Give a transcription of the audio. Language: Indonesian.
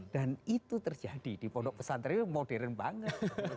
dan itu terjadi di pondok pesantren itu modern banget